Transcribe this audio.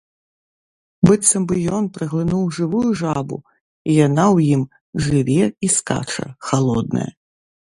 Быццам бы ён праглынуў жывую жабу і яна ў ім жыве і скача, халодная.